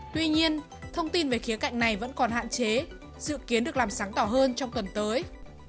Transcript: tuy nhiên thông tin về khía cạnh này vẫn còn hạn chế dự kiến được làm sáng tỏ hơn trong tuần tới